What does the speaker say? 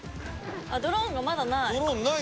ドローンがまだない。